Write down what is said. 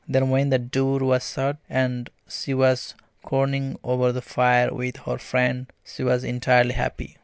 Then when the door was shut, and she was crooning over the fire with her friend, she was entirely happy.